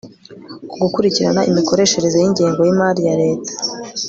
ku gukurikirana imikoreshereze y'ingengo y'imari ya leta